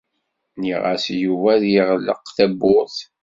Nniɣ-as i Yuba ad yeɣleq tawwurt.